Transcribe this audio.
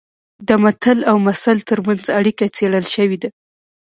د متل او مثل ترمنځ اړیکه څېړل شوې ده